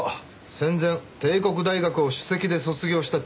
戦前帝国大学を主席で卒業した超エリート。